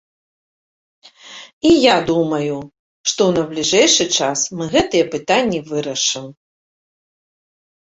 І я думаю, што ў найбліжэйшы час мы гэтыя пытанні вырашым.